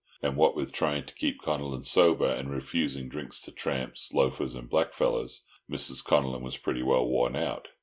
and what with trying to keep Connellan sober and refusing drinks to tramps, loafers, and black fellows, Mrs. Connellan was pretty well worn out.